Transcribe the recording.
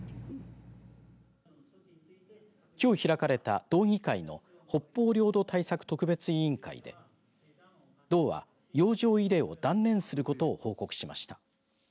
きょう開かれた道議会の北方領土対策特別委員会で道は、洋上慰霊を断念することを報告しました。